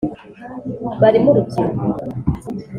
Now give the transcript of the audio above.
barimo urubyiruko